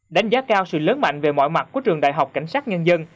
đánh giá cao sự lớn mạnh về mọi mặt của trường đại học cảnh sát nhân dân